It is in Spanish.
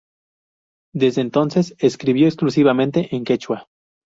Desde entonces escribió exclusivamente en quechua.